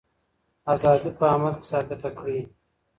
ازادي په عمل کي ثابته کړئ.